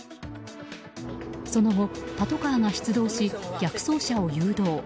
その後、パトカーが出動し逆走車を誘導。